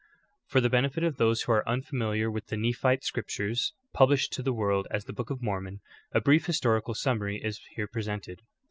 24. For the benefit of those who are unfamiliar with the Nephite scriptures, published to the world as the Book of Mormon, a brief historical summary is here presented.